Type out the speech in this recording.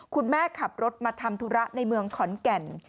คุณแม่ขับรถมาทำธุระในเมืองขอนแก่น